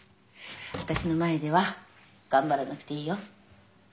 私の前では頑張らなくていいよ。